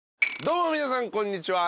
どうも皆さんこんにちは。